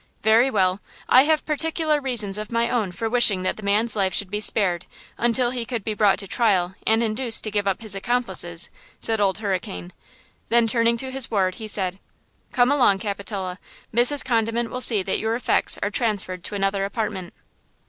"Very well! I have particular reasons of my own for wishing that the man's life should be spared until he could be brought to trial and induced to give up his accomplices," said Old Hurricane. Then, turning to his ward, he said: "Come along, Capitola. Mrs. Condiment will see that your effects are transferred to another apartment.